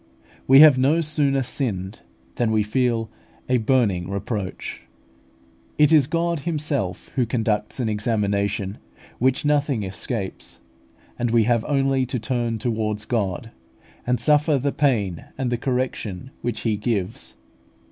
We have no sooner sinned than we feel a burning reproach. It is God Himself who conducts an examination which nothing escapes, and we have only to turn towards God, and suffer the pain and the correction which He gives.